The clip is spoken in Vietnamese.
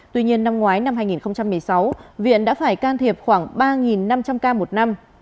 tuy nhiên năm ngoái năm hai nghìn một mươi sáu viện đã phải can thiệp khoảng ba năm trăm linh ca một năm